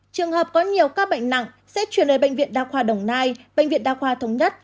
trường hợp có nhiều ca bệnh nặng sẽ chuyển về bệnh viện đa khoa đồng nai bệnh viện đa khoa thống nhất